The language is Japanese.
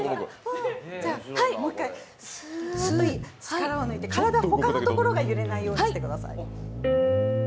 もう一回、すーっと力を抜いて体、他のところが揺れないようにしてください。